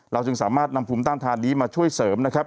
จึงสามารถนำภูมิต้านทานนี้มาช่วยเสริมนะครับ